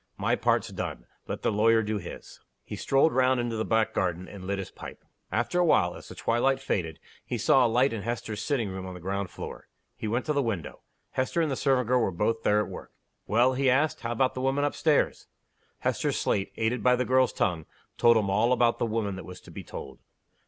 My part's done let the lawyer do his." He strolled round into the back garden, and lit his pipe. After a while, as the twilight faded, he saw a light in Hester's sitting room on the ground floor. He went to the window. Hester and the servant girl were both there at work. "Well?" he asked. "How about the woman up stairs?" Hester's slate, aided by the girl's tongue, told him all about "the woman" that was to be told.